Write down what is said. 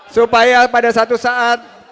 supaya pada satu saat